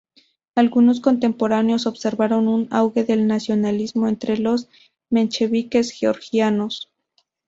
Algunos contemporáneos observaron un auge del nacionalismo entre los mencheviques georgianos.